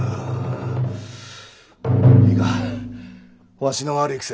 いかんわしの悪い癖。